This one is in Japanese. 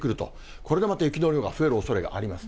これでまた雪の量が増えるおそれがあります。